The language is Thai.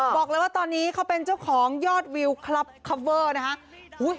บอกเลยว่าตอนนี้เขาเป็นเจ้าของยอดวิวคลับคลับเวอร์นะคะ